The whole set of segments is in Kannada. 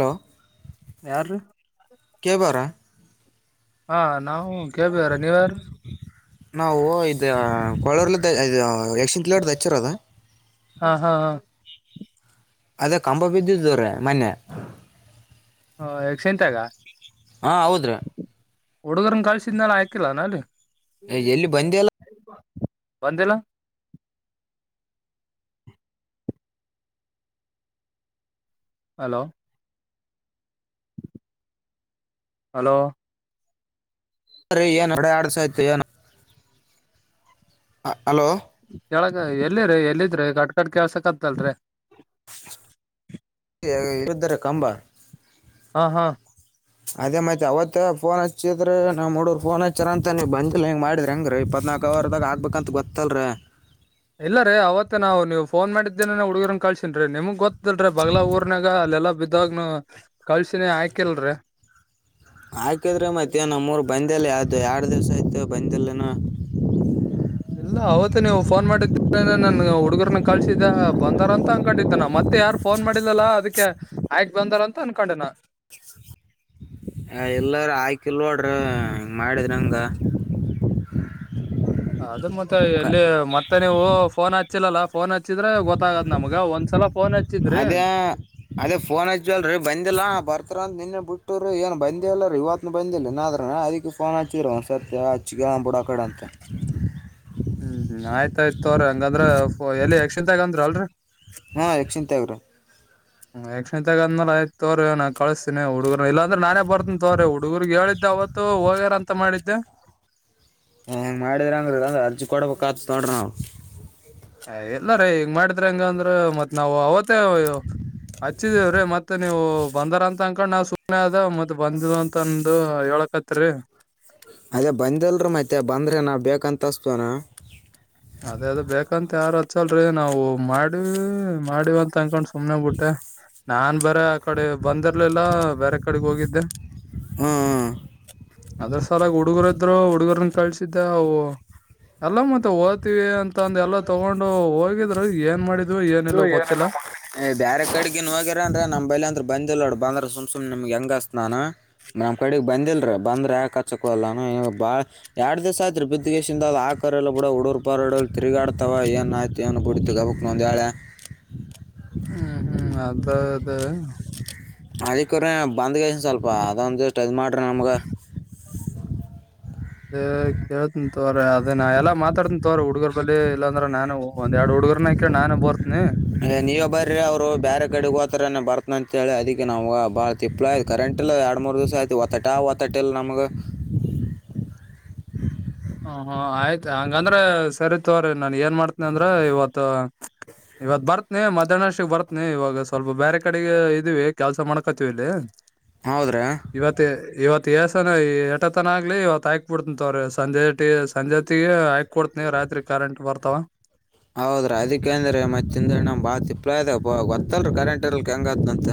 ಹಲೋ. ಯಾರ್ರೀ. ಕೆ ಬಾರ. ಹಾ ನಾವು ಕ್ಯಾಬಾರ ನೀವ ಯಾರ. ನಾವು ಇ ಕಳೂರ್ಲ ಇದ ಯಕ್ಷಿಂತ ಕಿಲೋಡ ದಚ್ಚಿರದ. ಹಾ ಹಾ ಹಾ. ಅದೇ ಕಂಬ ಬಿದ್ದಿದ್ದವ್ರೆ ಮನ್ನೆ. ಹ ಎಕ್ಸ ಎಂತಾಗ. ಹಾ ಹೌದ್ರೀ. ಡುಗನ್ ಕಳ ಶಿನಲ್ಲ ಆಯಕಲ್ಲ ನಲ್ಲ. ಎಲ್ಲಿ ಬಂದೇ ಬಂದಿಲ್ಲ. ಹಲೋ. ಹಲೋ. ಅೀ ಏನು ಹೊಡೆ ಆಡ್ಸಾಯ್ತು ಏನು. ಹ ಹಲೋ. ಕೆಕ್ ಎಲ್ಲಿರರಿ ಎಲ್ಲಿದ್ರಿ ಕಟ್ ಕಟ್ ಕೇಳ್ಸಕ್ತ್ತಲ್ರಿ. ಯ್ಧರ ಕಂಬ. ಹಾ ಹಾ. ಅದೇ ಮೈತ್ ಅವತ್ ಫೋನ್ ಹಚ್ಚಿದ್ರೆ ನಾ್ ಮೂಡೂರ್ ಫೋನ್ ಹಚ್ಚರ ಅಂತ ನೀವ್ ಬಂದಿಿಲ್ಲ ಹೆಂಗ ಮಾಡಿದ್ರ ಹೆಂಗ್ರೀ ಇ. ಹದನಾಲ್ಕು ಅವರ್ದಾಗ ಆಗ್ಬೇಕಂತ ಗೊತ್ತಲ್ರೀ. ಇಲ್ಲ ರೀ ಅವತ್ತೆ ನಾವು ನೀವು ಫೋನ್ ಮಾಡಿದ್ದೇನೆ ಹುಡುಗರನ್ ಕಳ್ಸನ್ೀ ನಿಮ್ಗ್ ಗೊ. ಲ್ರರಿ ಬಗ್ಲಾ ಊರ್ನಾಗ ಅಲ್ಲೆಲ್ಲಾ ಬಿದ್ದಾಗನು ಕಳ್ಸಿನಿ ಆಾಕಿಲ್ರರಿ. ಹಾಕಿದ್ರೆ ಮತ್ತೆ ನಮ್ಮೂರು ಬಂದೆಲ್ಲ ಯ್ದ ಎರಡು ದಿವ್ಸ ಆಯತ ಬಂದೆಲ್ಲನ. ಇಲ್ಲ ಅವತ್ತ ನೀವು ಫೋನ್ ಮಾಡಿದ ನನ್ ಹುಡುಗರ್ನ ಕಳ್ಸಿದ್ದ ಬಂದಾರ ಅಂತ ಅನ್ಕೊಂಡಿದ್ದ ನ ಮತ್ತೆ. ಫೋನ್ ಮಾಡಿಲ್ಲಲ್ಲಾ ಅದಕ್ಕೆ ಆಯಕ್ ಬಂದಾರ ಅಂತ ಅನ್ಕೊಂಡೆನ. [unintelligible] ಆ ಇಲ್ಲರ ಆಯಕಲ್ ನೋಡ್ರಿ ಹಂಗ ಮಾಡಿದ ನಂಗ. ಅದು ಮತ್ತೆ ಎಲ್ಲಿ ಮತ್ತೆ ನೀವು ಫೋನ್ ಹಚ್ಚಿಲ್ಲಲ್ಲ ಫೋನ್ ಹಚ್ಚಿ. ಿದ್ರೆ ಗೊತ್ತಾಗದ ನಮ್ಗ ಒಂದ್ಸಲ ಫೋನ್ ಹಚ್ಚಿದ್ರಿ. ಅದೇ ವರ್ತ ರ ನಿನ್ನೆ ಬುಟ್. ಕೊಟ್ಟರು ಏನು ಬಂದಿಲ್ಲ ಅಲ್ಲೀ ಇವತ್ತುನು ಬಂದಿಲ್ಲ ಇನ್ನಾದ್ರ ಅದಕ್ಕೆ ಫೋನ್ ಹಚ್ಚಿರ ಒಂದು ಸರ್ತಿ ಹಚ್ಚಿಗೆ ಬಿಡೋ ಕಡೆ ಅಂತ. ಹ್ಮ. ಹ್ಮ್ ಹ್ಮ್ ಆಯ್ತಾಯ್ತ ಅವ್ರ ಹಂಗಂದ್ರ ಎಲ್ಲಿ ಯಕ್ಷಿಂತಗಂದ್ರ ಅಲ್ರ. ಹಾ ಯಕ್ಷಿಂತಗ್ರೀ. ಯಕ್ಷ್ಣಿತಗ ಅಂದ್ರ ಆಯ್ತ್ ತೋರ ನ ಕಳಸ್ತನ ಹುಡುಗರು ಇದ್ರೆ ನಾನೇ ಬರ್ತನಿ ತೋಗರ ಹುಡುಗಗ್ರು ಹೇಳ. ಅವತ್ತು ಹೋಗ್ಯಾರ ಅಂತ ಮಾಡಿದ್ದೆ. ಹ ಮಾಡಿದ್ರ ಅಂಗ್ರದ ಅರ್ಜಿ ಕೊಡ್ಬೇಕ ಆತನೋಡ್ರಿ ನಾವು. ಎಲ್ಲ ರೀ ಹಿಂಗ್ ಮಾಡಿದ್ರ ಹೆಂಗ ಅಂದ್ರ ಮತ್ ನಾವವು ಅವತ್ತೇ ಹಚ್ಚಿದೇವ್ರೀ ಮತ್. ಮತ್ತ ನೀವು ಬಂದರ ಅಂತ ಅನ್ಕೊಂಡ್ ನಾವ್ ಸುಮ್ಮ್ನೆ ಅದೇ ಮತ್ತೆ ಬಂದ ಅಂತಂದು ಹೇಳಕತ್ರಿ. ಅದೇ ಬಂದಲ್ರಿ ಮತ್ತೆ ಬಂದ್ರ ನಾ ಬೇಕಂತಿಸ್ತೇನಾ. ಅದೇ ಅದ ಬೇಕಂತ ಯಾರ ಹಚ್ಚಲ್ರಿ ನಾವು ಮಾಡೀವ ಮಾಡಿವ ಅಂತ ಅನ್ಕಾಣಸ್. ಸುಮ್ಮ್ನೆಗ್ಬ ಬಿಟ್ಟೆ ನಾನ್ ಬೇರೆ ಆ ಕಡೆ ಬಂದಿರ್ಲಿಲ್ಲ ಬೇರೆ ಕಡೆಗ್ ಹೋಗಿದ್ದೆ. ಹ್ಞೂ ಅದ್ರ ಸಲಾಗಿ ಹುಡುಗರ. ರು ಹುಡುಗರನ್ನ ಕಳ್ಸಿದ್ದವು ಎಲ್ಲ ಮತ್ತೆ ಹೋದ. ಅಂತಂದ ಎಲ್ಲ ತಗೊಂಡು ಹೋಗಿದ್ರ ಏನ್ ಮಾಡಿ ಏ ಬೇರೆ ಕಡೆಗೆನ್ ಹೋಗ್ಯರ ಅನ್ರಾ ನಮ್ಮೈಲಿ ಅಂದ್ರ. ಬಂದಿಲ್ಲೋಡ್ ಬಂದ್ರೆ ಸುಮ್ ಸುಮನೆ ನಿಮ್ಗೆ ಹೆಂಗ ಸ್ನಾನ. ನಮ್ಮ ಕಡೆಗ್ ಬಂದಿಲ್ರೀ ಬಂದ್ರ ಯಾಕ ಹಚ್ಚಕ ಅಲ್ಲ ಬಾಳ್ ಎರಡ್ ದಿವ್ ಆಯತ್ರಿ ಬಿದ್ದ್ಗೇಶ ಇಂದ. ಕುಕ್ಕರೆಲ್ಲೂಡುಡರು ಪಡವರು ತಿರುಗಾಡ್ತವ ಏನಾಯ್ತು ಏನು ಬಿಡ್ತಗ ಬುಕ್ನ ಒಂದು ಹೇಳೇಳೆ. ಹ್ಮ್ ಹ್ಮ್ ಅದ ಅದ [unintelligible] ಅಳಿಕೋರ್ರ ಬಂದಗ ಸ್ವಲ್ಪ ಅದೊಂದು ಜಷ್ಟಟ್ ಅದು ಮಾಡ್ರೆ ನಮ್ಗೆ. [inaudible] ಕೇಳ್ತನ್ ತೋರ ಅದೇ ನಾ ಎಲ್ಲ ಮಾತಡ್ತನ್ ತೋರ ಹುಡ್ಗರ್ ಬಳಿ ಇಲ್ಲಾಂದ್ರ ನಾನು ಒಂದ್ ಎರಡು ಹುಡ್ಗರ್. ನಾನು ಬರ್ತನಿ. ನೀವೇ ಬರ್ರಿ ಅವ್ರು ಬೇರೆ ಕಡೆಗ್ ಹೋತಾರನೆ ಬರ್ತನ ಅಂತ ಹೇಳಿ ಅದಕ್ಕೆ ನಾವವು ಬಾಳ ತಿಪ್ಪಳಯ [unintelligible] ಕರೆಂಟ್. ಎರಡು ಮೂರು ದಿವಸ ಆಯತಿು ಹೊತಾಟ ಆ ಹೊತಾಟಲ್ ನಮಗ. ಹ ಹ್ಮ ಆಯ್ತ್ ಹಂಗಂದ್ರೆ ಸರಿ ತಗೋರಿ ನನ್ ಏನ್ ಮಾಡ್ತನಿ ಅಂದ್ರ ಇವತ್ತು. ಇವತ್ ಬರ್ತ್ನಿ ಮಧ್ಯಾಹ್ನರ್ಷಿಗೆ ಬರ್ತ್ನಿ ಇವಾಗ ಸ್ವಲ್ಪ ಬೇರೆ ಕಡೆಗೆ ಇದೀವಿ ಕೆಲ್ಸ ಮಾಡ್ಕೋತಿವಿ ಇಲ್ಲಿ. ಹೌದ್ರಾ ಇವತ್ ಇವತ್ತು ಏಸನ ಎಟತನ ಆಗ್ಲಿ ಇವತ್ತು ಹಾಕ್ಬಿಡ್ತೀನಿ ತೊಗೋರಿ. ಸಂಜೆಟ ಸಂಜೆತ್ತಗೆ ಆಯಕ್ ಕೊಡ್ತ ನೀವ ರಾತ್ರಿ ಕರೆಂಟ್ ಬರ್ತಾವ. ಹೌದ್ರ ಅದಕ್ಕ ಅಂದ್ರೆ ಮತ್ತಿಂದ ನಮ್ ಬಾಳ ತಿಪ್ಲ ಇದ ಬರ್ತಲ್ರಿ ಕರೆಂಟ್ ಇರ್ಲ್ಕ್ ಹೆಂಗತ್ಂತ.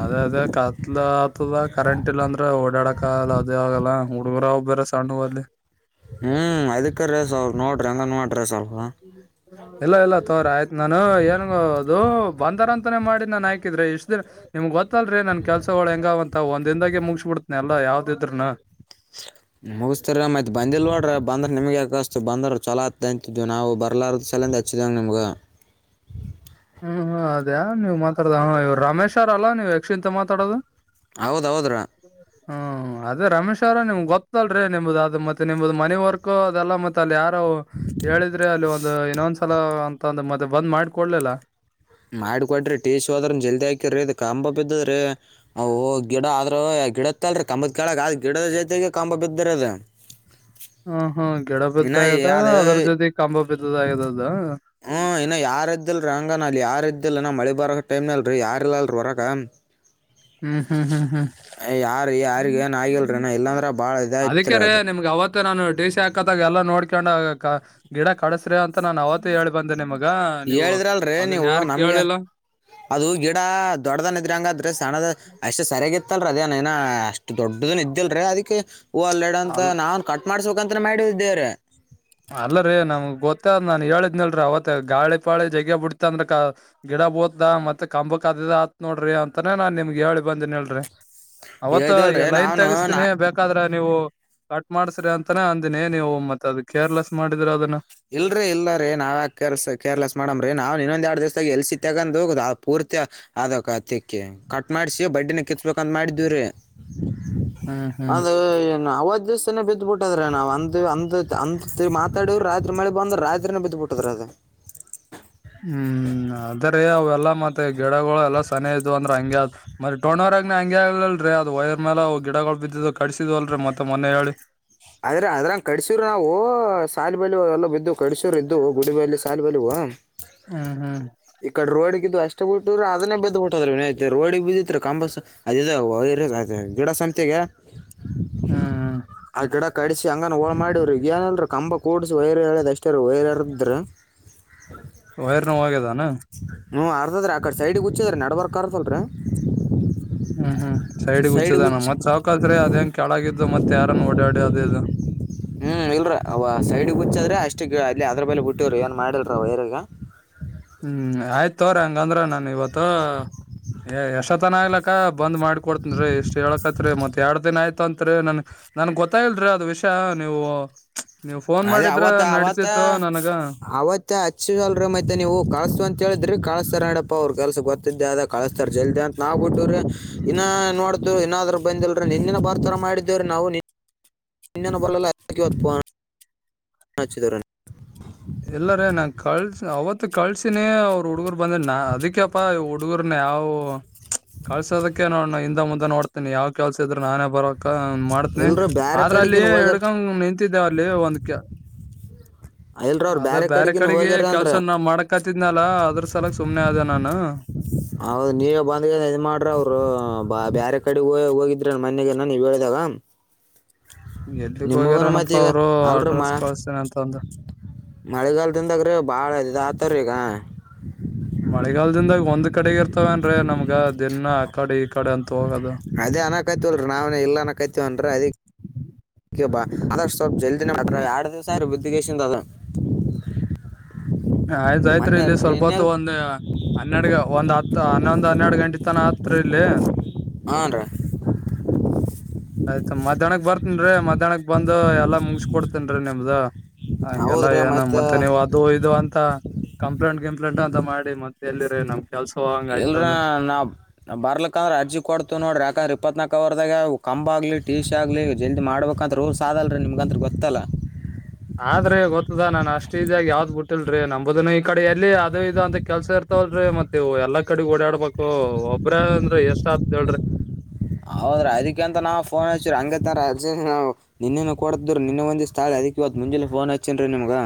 ಅದೇ ಅದೇ ಕತ್ಲ ಆತದ ಕರೆಂಟ್ ಇಲ್ಲ ಅಂದ್ರೆ ಓಡಾಡಕಲ್ಲ ಅದೇ ಆಗಲ್ಲ ಹುಡುಗರ. [unintelligible] ಸನ್ನೂರ್ಲಿ. ಹ್ಮ್ ಅದಕ್ಕೆ. ರೀ ಸ್ವಲ್ಪ ನೋಡ್ರಿ ಹಂಗ ನೋಡ್ರಿ ಸ್ವಲ್ಪ ಇಲ್ಲ ಇಲ್ಲ ತೋರ ಆಯ್ತ್ ನಾನು ಏನ. ಹೂ ಬಂದಾರಂತ. ಮಾಡಿ ನಾನ್ ಹಾಕಿದ್ರಿ ಇಷ್ಟ್ ದಿನ ನಿಮ್ ಗೊತ್ತಲ್ರಿ ನನ್ ಕೆಲ್ಸಗಳುಳ ಹೆಂಗ್ಂತ ಒಂದಿಂದಾಗಿ ಮುಗಸಿ ಬಿಡ್ತನನೆ ಎಲ್ಲ. ಯಾವುದಿದ್ರೂನು. [inaudible] ಮುಗಿಸಸ್ತರ ಮಯತ್ ಬಂದಿಲ್ ನೋಡ್ರ ಬಂದ್ರ ನಿಮಗ್ ಯಾಕಷ್ಟು ಬಂದ್ರ ಚಲೋ ಆತ್ ಅಂತ್ ನಾವು ಬರ್ಲಾರ. ಕಲಂದಚ್ಚಿದಂಗ ನಮಗೆ. ಹ್ಮ್ ಅದೇ ನೀ ಮಾತಾಡದ ಇವ್ ರಮೇಶ್ರಲ್ಲ ನೀವು ಯಕ್ಷಂತ ಮಾತಾಡೋದು. ಹೌದೌದ್ರಾ. ಹ್ಮ್ ಅದೇ ರಮೇಶ್ ಅವ್ರ ನಿಮ್ಗೆ ಗೊತ್ತಲ್ರರಿ ನಿಮ್ದ ಅದು ಮತ್ತೆ ನಿಮ್ದ್ ಮನ ವರ್ಕ್ ಅದೆಲ್ಲಾ ಮತ್ತತ್ ಅಲ್ಲಿ ಯಾರ. ಹೇಳಿದ್ರೆ ಅಲ್ಲಿ ಒಂದು ಇನ್ನೊಂದ್ಸಲ ಅಂತ ಒಂದು ಮತ್ತೆ ಬಂದ್ ಮಾಡ್ಕೊಡ್ಲಿಲ್ಲ. ಮಾಡಕೊಡ್ರಿ ಟೀ ಶ ಹೋದ್ರ ಜಲ್ದಿ ಹಾಕಿರಿ ಕಂಬ ಬಿದ್ದದ್ರಿ ಅ ಗಿಡ ಆದ್ರ. ಗಿಡತ್ತಲ್ರಿ ಕಂಬತ್ ಕ ಕೆೇಳಗ ಅ ಗಿಡದ ಜೊತೆಗೆ ಕಂಬ ಬಿದ್ದರ ಅದು. ಹ ಹಾ ಗಿಡ ಇನ್ನ ಬಿದ್ದ ಆದ ಅದು ಅದ್ರ ಜೊತೆ ಕಾಂಬ ಬಿದ್ದದ ಆದ. ಹ್ಮ್ ಇನ್ನು ಯಾರದ್ದಲ್ ರಂಗನ ಅಲ್ಲಿ ಯಾರ್ದಲ್ಲ ನ ಮಳೆ. ಬರ ಟೈಮ್ನ ಅಲ್ರಿ ಯಾರಿಲ್ಲ ಅಲ್ರಿ ಹೊರಗ. ಹ್ಮ್ ಹ್ಮ್ ಹ್ಮ್. ಹ್ಮ್ ಯಾರ ಯಾರಿಗ ಏನ್ ಆಗಿಲ್ರಿನ ಇಲ್ಲಾಂದ್ರ ಬಾಳ. ಇದಾಯತ್ರಿ ಅದಕ್ಕೆರಿ ಅದು ನಿಮ್ಗ್ ಅವ ಮತ್ತೆ ನಾನು ಡ ಸಿ ಹಾಕತ್ತದಾಗ ಎಲ್ಲಾ ನೋಡ್ಕೊಂಡ್ ಗಿಡ ಕಡಸ್ರಿ ಅಂತ ನಾನನ್ ಅವತ್ತ ಹ ಹೇಳಿ ಬಂದೆ ನಿಮ. ಹೇಳಿದ್ರ ಅಲ್ರರಿ ನೀವು ನಮ್ಗೆ ಅದು ಗಿಡ ದೊಡ್ಡದನ್ ಇದ್ರ ಹಂಗಾದ್ರೆ ಸಣ್ಣದ ಅಷ್ಟ್ ಸರಿಯಾಗಿತ್ತ ಇತ್ತಲ್ರ ಅದೇನ ನ ಅಷ್ಟ್ ದೊಡ್ಡದನ್ ಇದಲ್ರೀ ಅದಕ್ಕೆ ಹೂ ಅಲ್ಲೆಡ ಅಂತ ಅಲ್ ನಾನ್ ಕಟ್ಟ ಮಾಡ್ಸಬೇಕಕ್ಂತ ಮಾಡ ದೇವ್ರ ಅಲ್ಲರೀ ನಮ್ಗ್ ಗೊತ್ತ ನಾನ್ ಹೇಳಿದ್ನಲ್ರಿೀ ಅವತ್ತ ಗಾಳಿ ಪಾಳಿ ಜೈಗ ಬಿಡ್ತ ಅಂದ್ರ ಗಿಡ ಬೂದ ಮತ್ತೆ ಕಂಬಕ್ ಅದದ ಆತ್ ನೋಡ್ರಿ ಅಂತಾನೇ ನಾನ್ ನಿಮ್ಗೆ ಹೇಳಿ ಬಂದೇನ ಹೇಳ್ರಿ ಅವತ್ ಈ ಹೇಳ್ದಲ್ರಿ ಲೈನ್ ನಾನು ನಾ ತಗಿಸ್ತೀನಿ ಬೇಕಾದ್ರ ನೀವು ಕಟ್ ಮಾಡ್ಸ್ರಿ ಅಂತಾನೇ ಅಂದಿನಿ ನೀವು ಮತ್ ಅದು ಕೇರ್ಲೆಸ್ ಮಾಡಿದ್ರೆ ಅದನ್ನ ಇಲ್ರರಿ ಇಲ್ಲ ರೀ ನಾವ ಯಕರ್ ಕೇರ್ಲೆಸ್ ಮಾಡಮ್ರೀ ನಾವವು ಇನ್ನೊಂದ ಎರಡ್ ದಿವಸದಾಗ ಎಲ್ಸಿ ತಗಂದರ್ ಅದಕತ್ತಕ್ಕೆ ಕಟ್ ಮಾಡಸಿ ಬಡ್ಡಿನ ಕಿತ್ತ ಬೇಕ ಮಾಡಿದವ್ರೀ ಹ್ಮ್ ಅ ಹ್ಮ್ ಅವತ್ತು ರಾಜಸ್ಥಾನ ಬಿದ್ದ್ಬಿಟ್ಟದ್ರೆ ನಾವು ಅಂದು ಅ ಅ ಮಾತಾಡರು ಮಳೆ ಬಂದ್ರೆ ರಾತ್ರಿನ ಬಿದ್ದುಬಿಟ್ಟದ್ರ ಅದೇ ಹ್ಮ್ ಅದ್ರ ಅವೆಲ್ಲ ಲ್ಲ ಮತ್ತೆ ಗಿಡಗಳಗಳು ಎಲ್ಲಾ ಸನಿ ಇದ್ ಅಂದ್ರೆ ಹಂಗ ಅ ಮತ್ತೆ ತಟೊಂಡ್ಣವರ್ಗ್ ಹಂಗಗೆ ಆಗಲ್ರರಿ ಅದು ವೈರ್ ಮೇಲ ಗಿಡಗಳು ಬಿದ್ದಿದ್ದು ಕಡಿಸಿದ ಅಲ್ರರಿ ಮತ್ತೆ ಮನ ಹೇಳಿ ಅ ಆದ್ರೆ ಅದ್ರಂಗ ಕಡಸ್ರ ನಾವು ಸಾಲ ಬೆ ಎಲ್ಲ ಬಿದ್ದು ಕಡಿಸೂರ್ ಇದ್ದು ಗುಡಿಬಲ್ಲಿ ಸಾಲ ಬೆಲುವ ಹ್ಮ್ ಹ್ಮ್ ು ಅಷ್ಟೇ ಬಿಟ್ಟಿದ್ರೆ ಅದನ್ನೇ ಬದ ಬಿುಟ್ಟದ್ರ ವ ರೋಡಿಗೆ ಬಿದ್ದಿದಿತ್ ಕಂಬಸ್ ಅದ ಗಿಡಸಂತೆಗೆ ಹ್ಮ್ ಆ ಗಿಡ ಕಡಿಸಿ ಹಂಗ ಹೋಳ ಮಾಡವ್ರಿ ಏನಲ್ ಕಂಬ ಕೂಡಿಸಿ ವೈರ್ ಹೇಳದ್ ಅಷ್ಟೇ ವೈರ್ ಎರದ್ರಿ ವೈರ್ನು ಹೋಗ್ಯದಾನ ಹ್ಮ ಅರ್ಧದ್ರೆ ಅಕಡೆ ಸೈಡ್ಿಗೆ ಹಚ್ಚಿದ್ರ ನಡ್ವರ್ಕ್ ಕಾರಾರ್ ಲ್್ರ ಹ್ಮ್ ಹ್ಮ್ ಸೈಡ್ಗ್ ಹುಚದಾನ ಮತ್ ಸಾಾವಕಲ್ತ್್ರೆ ಅದೇಂಗ ಕೆಳಾಗಿದ್ದು ಮತ್ ತೇಾರನ್ನು ಓಡಾಡಿ ಅದೇ ಇದು ಹ್ಮ ಇಲ್ರ ಅವ ಸೈಡ್ ಹುಚ್ಚಾದ್ರೆ ಅಷ್ಟು ಅಲ್ಲಿ ಅದ್ರ ಬೇಲೆ ಬಿುಟ್ಟಿವವ್ರಿ ಏನ್ ಮಾಡಿಲ್ರ ಅವ್ರಿಗ ಹ್ಮ್ ಆಯ್ತ ತೋ್ರಿ ಹಂಗಂದ್ರ ನಾನ ಇವತ್ತು ಎಷ್ಟೋತನ ಆಗ್್ಲಕ್ಕ ಬಂದ ಮಾಡಕ ಕೊಡ್ತನ್ ರೀ ಇಷ್ಟ್ ಹೇಳಕತ್ರಿ ಮತ್ತೆ ಎಡ್ ದಿನ ಆಯತು ಗತ್ತತ್ರಿ ನನ್ ನನ್ಗ್ ಗೊತ್ತಾ ಇಲ್ರಿ ಅದ್ ವಿಷಯ ನೀವು ನೀವ್ ಫೋನ್ ಅದೇ ಮಾಡಿದ್ರ ಅವತ್ ಅವತ್ತ ನಡತಿತ್ತು ನನಗ ಅವತ್ತ ಹಚ್ಚ ಅಲ್ರಿ ಮತ್ತ ನೀವು ಕಸ್ ಅಂತ ಹೇಳಿದ್ರಿ ಕಳಿಸಸ್ತಾರ ನಡಪ್ಪಾ ಅವ್ರರು ಕೆಲ್ಸ ಗೊತ್ತಿದ್ದೆ ಅ ಕಳಸ್ತಾರ ಜಲ್ದಿ ಅಂತ ನಾ್ ಬಿಟ್ಟ್ರೆ ಇನ್ನ ನೋಡ ದು ಏನಾದ್ ಬಂದಲ್ರಿ ನಿ ಇಿನ ಬಾರ್ತರ ಮಾಡಿದ್ದವರೆ ನಾವು ಬರಲ್ಲ ಚಿಿದರನ್ನ ಇಲ್ಲ ರೇ ನಾ ಕಳ್ಸ ಅವತ್ತು ಕಳ್ಸಿನೇ ಅವರು ಹುಡ್ಗರು ಬಂದ್ರೆ ನ ಅದಕ್ಯಪ್ಪಾ ಹುಡುಗರ್ನೆೇ ಯಾವವು ಕಳ್ಸೋದಕ್ಕೆ ನಾನು ಹಿಂದ ಮುಂದೆ ನೋಡ್ತೀನಿ ಯಾವ್ ಕೆಲ್ಸ ಇದ್ರೆ ನಾನೇ ಬರೋಕ್ ಮಾಡ್ತನಿ ಇಲ್ರಿ ಬ್ಯಾರೆ ಆದ್ರ ಅಲ್ಲಿ ಕಡೆಗಿನ್ ಹೋಗ್ಯಾರ ಹಡ್ಕಂಗ ನಿಂತಿದ್ದೇವ ಅಲ್ಲಿ ಒಂದ್ ಇಲ್ರ ಅವ್ರ ಅದೇ ಬ್ಯಾರೆ ಬೇರೆ ಕಡೆಗಿನ್ ಕಡೆಗೆ ಹೋಗ್ಯಾರ ಅಂದ್ರ ಕೆಲ್ಸ ನಾ ಮಾಡಕತಿದ್ನಲ್ಲ ಅದ್ರ ಸಲಕ್ ಸುಮ್ನೆ ಆದ ನಾನು ಹೌದು ನೀವ ಬಂದ್ ಇದ ಮಾಡ್ರೆ ಅವರು ಬಾರೆ ಕಡೆ ಹ ಹೋಗಿದ್ರ ಮನೆಗೆನ ನೀವ್ ಹೇಳಿದಾಗ ಎಲ್ಲಿಗ್ ನಿಮಗನ ಮತ್ ಹೋಗ್ಯಾರನಪ್ಪಾ ಈಗ ಅವರು ಅಡ್ರೆಸ್ ಕಳಸ್ತೇನ ಅಂತ ಹೇಳಿದ್ರು ಮಳೆಗಾಲದಿಂದಾಗ್ರೀ ಬಾಳ ಇದ್ ಆತವಿ ಈಗ ಮಳೆಗಾಲದಿಂದಾಗ ಒಂದ್ ಕಡೆಗ ಇರ್ತವನ್ರೀ ನಮ್ಗ ದಿನ ಆ ಕಡೆ ಈ ಕಡೆ ಅಂತ ಹೋಗದ ಅದೇ ಅನಕತವಲ್ರಿ ನಾವನ ಇಲ್ಲ ಅನಕತಿವನ್ ಅದ ಬಾ ಅದ್ರ ಸ್ವಲ್ಪ ಜಲ್ದಿನ ಎರಡ ದಸಾರ ಬುದ್ಧಿಗೇಶಿಂದ ಅದ ಆಯ್ತ ಆಯ್ತ್ರಿ ಇಲ್ಲಿ ಸ್ವಲ್ಪ ಹೊತ್ತು ಒಂದ್ ಹನ್ನೆರಡ್ಗ ಒಂದ್ ಹತ್ ಇನ್ನೊಂದು ಹನ್ನೆರಡು ಗಂಟೆ ತನ ಹತ್ರ ಇಲ್ಲಿ ಹಾ ರೀ. ಆಯ್ತ ಮದ್ಯಾನುಕ್ ಬರ್ತನ್ರೀ ಮಧ್ಯಾಹನಕ್ ಬಂದು ಎಲ್ಲಾ ಮುಂಗುಸ್ಕೊಡ್ತೇನ್ರಿ ನಿಮ್ದ. ಹಂಗೆಲ್ಲ ಏನು ಮತ್ತೆ ನೀವು ಅದು ಇದು ಅಂತ. ಕಂಪ್ಲೇಂಟ್ ಗಿಪ್ಲೇಂಟ್ ಅಂತ ಮಾಡಿ ಮತ್ತೆ ಎಲ್ಲಿರೀ ನಮ್. ಕೆಲ್ಸ ಹಂಗ ಇಲ್ರ ಆಯ್ತಂದ್ರ ನಾವ್ ಬರ್ಲಕಂದ್ರ ಅರ್ಜಿ ಕೊಡ್ತೇ ನೋಡ್ರಿ ಯಾಕ್ ಇಪ್ಪತ್ನಾಕ ಅವರ್ದಾಗ ಕಂಬ ಆಗಲಿ ಟಿ ಸಿ ಆಗ್ಲಿ ಜಲ್ದಿ ಮಾಡಬೇಕಂತ ರೂಲ್ಸ್ ಆದಲ್ ರೀ ನಿಮಗಂತ್ರು ಗೊತ್ತಲ್ಲ. ಹಾ ರೀ ಗೊತ್ತದಾ ನಾ ಅಷ್ ಅಷ್ಟ ಈಜಿ ಯಾಗಿ ಯಾವ್ದ್ ಬಿಟ್ಟುಲ್ರಿ ನಂಬುದುನು ಇಕಡಿ ಎಲ್ಲಿ ಅದ ಇದು ಅಂತ ಕೆಲಸ ಇರ್ತಾವಲ್ಲ್ರಿ ಮತ್ತೆವು ಎಲ್ಲ ಕಡೆಗು ಓಡಾಡ್ಬೇಕು ಒಬ್ರ ಅಂದ್ರ ಎಷ್ಟ ಆತ್ ಹೇಳ್ರಿ. ಹೌದ್ರ ಅದಿಕೆ ಅಂತ ನಾವ್ ಫೋನ್ ಹಚ್ಚ್ರ ಹಂಗಿತ್ತಂದ್ರ ನಿನ್ನೇನು ಕೊಡದರು ನಿನ್ನ ಒಂದಿಸ್ ಅದಿಕೆ ಇವತ್ ಮುಂಜಾಲೆ ಫೋನ್ ಹಚ್ಚೇನ್ ರೀ ನಿಮಗ.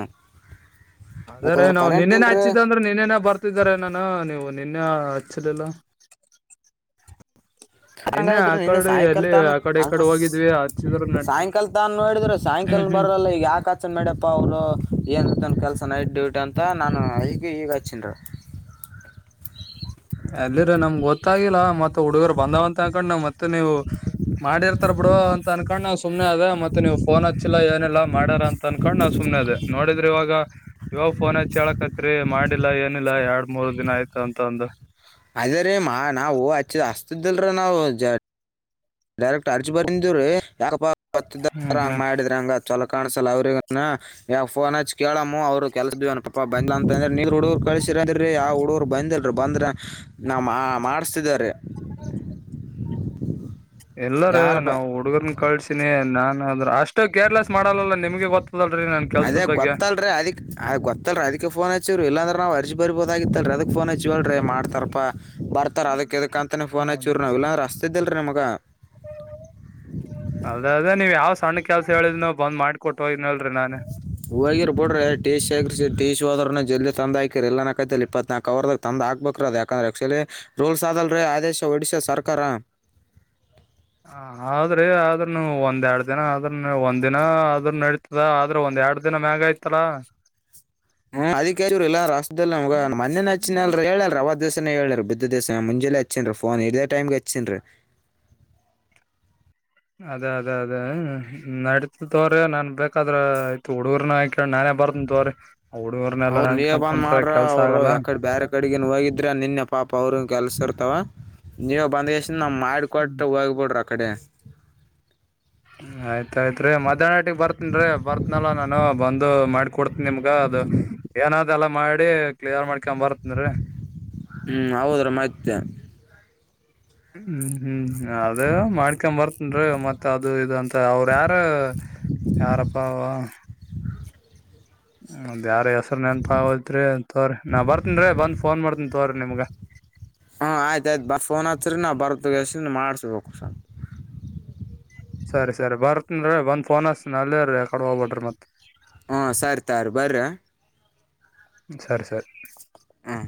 ಅದೇ ರೀ ನಾವು ನಿನ್ನೇನೆೇ ಹಚ್ಚಿದ್ದ ಅಂದ್ರೆ ನಿನ್ನೆನೆೇ ಬರ್ತಿದಾರೀ ನಾನು ನೀವ್. ನಿನ್ನೆ ಅಚ್ಲಿಲ್ಲ. ಹಂಗಾದ್ರ ನಿನ್ನೆ ಸಾಯಂಕಾಲ ಎಲ್ಲಿ ತಾನ ಆ ಕಡೆ ಈ ಅಲ್ ಕಡೆ ಹೋಗಿದ್ವಿ ಹಚ್ಚಿದ್ರ ನಡ್ತಿ ಸಾಯಂಕಾಲ ತಾನ ನೋಡಿದ್ರ ಹ್ಮ್ ಸಾಯಕಾಲ್. ಹ್ಮ್ ಬರ್ಲಿಲ್ಲ ಈ ಯಾಕಚನ್ ನಡಿಯಪ ಅವರು ಏನ್ನ್ ಕೆಲ್ಸನ್ ನೈಟ್ ಡ್ಯೂಟಿ ಅಂತ ನಾನು ಅದಿಕೆ ಈಗ ಹಚ್ಚನ್ರಿ. ಅಲ್ಲೇರಿ ನಮ್ಗ್ ಗೊತ್ತಾಗಿಲ್ಲ ಮತ್ ಹುಡುಗರು ಬಂದವಂತ ಹಕೊಂಡ್ ನನ್ ಮತ್ತೆ ನೀವು ಮಾಡಿರ್ತಾರ ಬಿಡ್ ಬಿಡು ಅಂತ ಅನ್ಕೊಂಡ್ ನಾನ್ ಸುಮ್ನೆ ಅದೇ ಮತ್ತೆ ನೀವ್ ಫೋನ್ ಹಚ್ಚಿಲ್ಲ ಏನಿಲ್ಲ ಮಡರೆ ಅನ್ಕೊಂಡ ನಾನ್ ಸುಮ್ಮನೆ ಅದೇ ನೋದಿದ್ರೆ. ಆದ್ರೆ ಇವಾಗ ಇವಾಗ ಫೋನ್ ಹಚ್ಚಿ ಹೇಳಕತ್ರಿ ಮಾಡಿಲ್ಲಾ ಏನಿಲ್ಲ ಎರಡ್ ಮೂರ್ ದಿನ ಆಯ್ತು ಅಂತ ಅಂದು. ಅದೇ ರೀ ಮಾ ನಾವು ಹಚ್ಚಿದ ಹಚ್ತಿದಿಳ್ರಿ ನಾವು ಜ ಡೈರೆಕ್ಟ್ರ್ ಅರ್ಜಿ ಬಂದಿವ್ರಿ ಯಾಕಪ್ಪ ಹೊತ್ತಿದರ ಹ್ಮ್ ಹಂಗ್ ಹ್ಮ್ ಮಾಡಿದ್ರ ಯಂಗ ಚೊಲೋ ಕಾಣ್ಸಲ್. ಅವ್ರಗ ಫೋನ್ ಹಚ್ ಕೇಳಮೂ ಅವ್ರು ಕೆಲಸದ್ದು ಪಾಪ ಬಂದಿಲಾ ಅಂತಂದ್ರೆ ನೀ ಹುಡುಗುರ್ ಕಳ್ಸಿರು ಅಂದಿರು. ರಿ ಯಾವ ಹುಡುಗರು ಬಂದಲ್ರಿ ಬಂದ್ರ ನಾವ್ ಮಡುಸ್ತಿದೆ ರೀ. [inaudible] ಇಲ್ಲಾರೀ ಯಾರು ಬ ನಾವು ಹುಡುಗುರ್ನ ಕಳ್ಸಿನಿ ನಾನ್ ಅಂದ್ರ ಅಷ್ ಅಷ್ಟು ಕೇರ್ಲೆಸ್ ಮಾಡಲ್ಲಲ್ಲ ನಿಮ್ಗೆ ಗೊತ್ತದಲ್ರಿ ನನ್ ಕೆಲ್ಸದ ಅದೇ ಬಗ್ಗೆ. ಗೊತ್ತಲ್ರಿ ಅದಕ್ ಗೊತ್ತಲ್ರಿ ಅದಕ್ಕೆ ಫೋನ್ ಹಚ್ಚಿವ್ರಿ ಇಲ್ಲಾಂದ್ರ ನಾವ್ ಅರ್ಜಿ ಬರೀಬೋದಗಿತ್ ಅಲ್ರಿ ಅದಕ್ ಫೋನ್ ಹಚ್ಚಿವಲ್ರಿ ಮಾಡ್ತಾರಪ್ಪಾ. ಬರ್ತಾರ ಅದಕ್ ಇದಕ್ ಅಂತಾನೇ ಫೋನ್ ಹಚ್ಚಿವ್ರಿ ನಾವು ಇಲ್ಲಾಂದ್ರ ಹಚ್ತಿದ್ ಇಲ್ರಿ ನಿಮುಗ. ಅದೇ ಅದೇ ನೀವು ಯಾವ್ ಸಣ್ಣ ಕೆಲಸ ಹೇಳಿದ್ರು ನವು ಬಂದ್ ಮಾಡಿಕೊಟ್ ಹೋಗಿನ್ ಹೋಗಿರ್ ಬುಡ್ರಿ. [unintelligible] ಟಿ ಸಿ ಹೋದ್ರನ್ನು ಜಲ್ದ ತಂದ ಹಾಕಿರಿಲ್ಲನ ಕೈತುಲ್ಲ ಇಪತ್ನ್ಕ ಅವರ್ದಗ್ ತಂದ್ ಹಾಕ್ಬೇಕ್ರಿ ಅದ್ ಯಾಕಂದ್ರೆ ಏಕ್ಚೂಲಿ ರೋಲ್. ರೂಲ್ಸ್ ಅದಲ್ರಿ ಆದೇಶ ಓದಿಶಾದ್ ಸರ್ಕಾರ. ಹ ಆದ್ರೆ ಆದ್ರನು ಒಂದ್ ಎರಡ್ ದಿನ ಆದ್ರೂನು ಒಂದಿನ ಆದ್ರು ನಡಿತದ ಆದ್ರೆ ಒಂದ್ ಎರಡ್ ದಿನ ಮ್ಯಾಗ್ ಆಯ್ತಲ್ಲ. ಹ್ಮ ಅದಿಕೆ ಚೂರ್ ಇಲ್ಲ ಅಂದ್ರೆ ಹಚ್ಚುದಿಲ್ ನಿಮ್ಗ ಮೊನ್ನೆ ಇನ್ನು ಹಚ್ಚಿನಲ್ ಹೇಳಲ್ರಿ ಅವಗ್ ದಿವಸನೆ ಹೇಳರಿ ಬಿದಿದ್ ದಿವ್ಸನೇ ಮುಂಜಾಲೆ ಹಚ್ಚಿನ್ರಿ ಫನ್ ಇದೆ ಟೈಮ್ಗೆ ಹಚ್ಚೇನ್ರಿ. [inaudible] ಅದೇ ಅದೇ ಅದೇ ನಡೀತತ್ ತಗೋರಿ ನನ್ ಬೇಕಾದ್ರ ಆಯ್ತು ಹುಡುಗರ್ನಕಿ. ನಾನೇ ಬರ್ತಿನ್ ತಗೋರಿ ಹುಡಗುರ್ನೆಲ್ಲ ಅವ್ರ ನೀವ ನಾಮ್ಕೆದ್ ಬಂದ್ ಕುಂತ್ರೆ ಮಾಡ್ರ ಅವ್ರು ಕೆಲಸಗಲ್ಲ. ಯಾಕಡೆ ಬೇರೆ ಕಡೆಗನ್ ಹೋಗಿದ್ರ ನಿನ್ನೆ ಪಾಪ ಅವ್ರಿಗೂ ಕೆಲಸ ಇರುತ್. ಅಥವಾ ನೀವು ಬಂದಷ್ಟ ನವ್ ಮಾಡಕೊಟ್ಟ ಹೋಗ್ಬಿಡ್ರಿ ಆಕಡೆ. ಆಯ್ತಾಯ್ತ್ರಿ ಮಧ್ಯಾಹ್ನಟಿಗೆ ಬರ್ತನ್ರೀ ಕೊಡ್ತ ನಿಮ್ಗ ಅದು ಏನಾದ ಎಲ್ಲಾ ಮಾಡಿ ಕ್ಲಿಯರ್ ಮಾಡ ಹ್ ಹೌದ್ರೀ ಮತ್ತೆ ಹ್ಮ್ ಹ್ಮ್ ಅದೇ ಮಾಡ್ಕೊ ಬರ್ತೇನ್ರೀ ಮತ್ತ ಅದು ಇಂದು ಅಂತ್ ಅವ್ರ ಯಾರು ಯಾರಪ್ಪ ಆವಾ ಹದ್ ಯಾರ ಹೆಸರು ನೆನ್ಪೋತ್ರಿ ನಾ ಬರ್ತನ್ ರೀ ಬಂದ ಫೋನ್ ಮಾಡ್ತನ್ ತೋರ್ ನಿಮ್ಗ ಹಾ ಆಯ್ತ ಆಯ್ತು ಬ ಫೋನ್ ಹಚಿರಿ ನಾವು ಬರದ್ಕೇಸನಿಂದ್ ಮಾಡ್ಸ್ಬೇಕು ಸರ್ ಸರಿ ಸರಿ ಬರ್ತನ್ ಇರಿ ಬಂದ ಫೋನ್ ಹಚ್ ತಿನ್ ಅಲ್ಲೇ ರೀ ಯಕಡೆ ಹೋಗ್ಬೇಡ್ರಿ ಮತ್ ಹಾ ಸರಿ ತಾರ ಬರ್ರ ಸರಿ ಸರಿ ಹ್ಞೂ